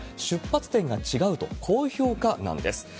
出発点が違うと、高評価なんです。